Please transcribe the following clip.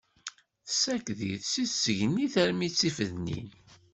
Tessaked-it seg tṣegnint armi d tifednin.